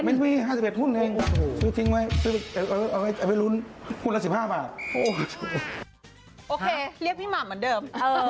โอเคเรียกพี่หม่ำเหมือนเดิม